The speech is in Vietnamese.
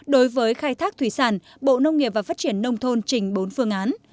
đối với khai thác thủy sản bộ nông nghiệp và phát triển nông thôn trình bốn phương án